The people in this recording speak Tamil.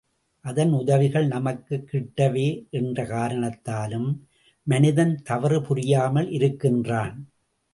அதன் உதவிகள் நமக்குக் கிட்டாவே என்ற காரணத்தாலும் மனிதன் தவறு புரியாமல் இருக்கின்றான்.